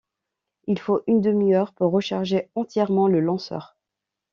Il faut une demi-heure pour recharger entièrement le lanceur.